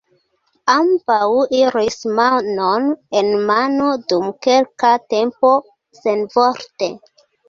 Ambaŭ iris manon en mano dum kelka tempo, senvorte.